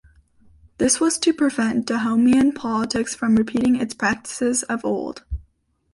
This was to prevent Dahomeyan politics from repeating its practices of old.